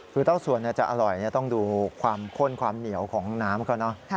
คือเต้าสวนเนี่ยจะอร่อยเนี่ยต้องดูความข้นความเหนียวของน้ำก็เนอะ